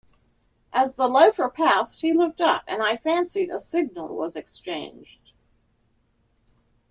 As the loafer passed he looked up, and I fancied a signal was exchanged.